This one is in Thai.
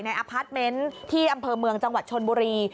อพาร์ทเมนต์ที่อำเภอเมืองจังหวัดชนบุรี